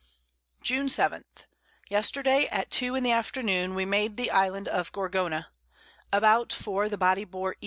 June 7. Yesterday at 2 in the Afternoon we made the Island of Gorgona; about 4 the Body bore E.